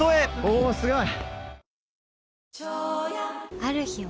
おすごい！